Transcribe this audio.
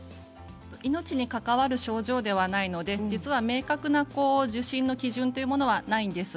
命に関わる症状ではないので、実は明確な受診の基準というものはないんです。